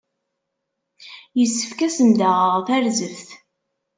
Yessefk ad asen-d-aɣeɣ tarzeft.